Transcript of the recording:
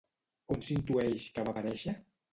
On s'intueix que va aparèixer?